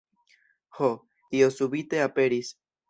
Ho, io subite aperis!